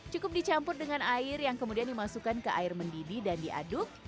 cukup dicampur dengan air yang kemudian dimasukkan ke air mendidih dan diaduk